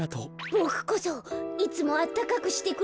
ボクこそいつもあったかくしてくれてありがとう。